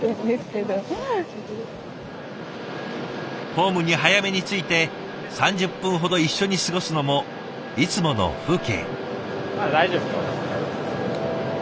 ホームに早めに着いて３０分ほど一緒に過ごすのもいつもの風景。